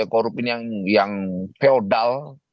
korup ini yang feodal